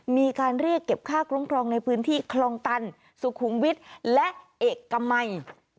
มีการเรียกเก็บค่าคุ้มครองในพื้นที่คลองตันสุขุมวิทย์และเอกมัย